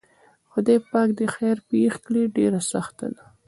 خدای پاک دې خیر پېښ کړي ډېره سخته ده.